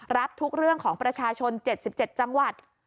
รับทุกเรื่องของประชาชน๗๗จังหวัด